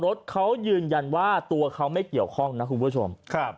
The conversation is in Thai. รถเขายืนยันว่าตัวเขาไม่เกี่ยวข้องนะคุณผู้ชมครับ